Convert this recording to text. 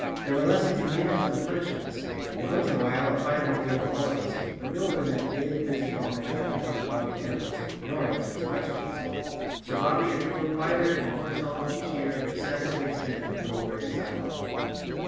There were lessons and meals and punishments, and once in a while a fight among the older boys, but no one in that big, busy home had time to talk to Bobbie Downs, nor answer his questions. So Bobbie had grown quieter and more solemn each year of the seven he had spent in the dull gray asylum.